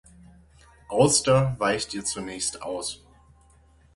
Auster weicht ihr zunächst aus.